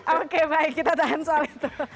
oke baik kita tahan soal itu